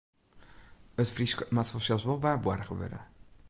It Frysk moat fansels wol waarboarge wurde.